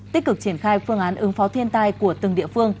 tích cực triển khai phương án ứng phó thiên tai của từng địa phương